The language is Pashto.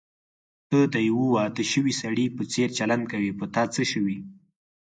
ته د یوه واده شوي سړي په څېر چلند کوې، په تا څه شوي؟